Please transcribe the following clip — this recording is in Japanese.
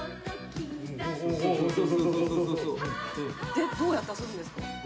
でどうやって遊ぶんですか？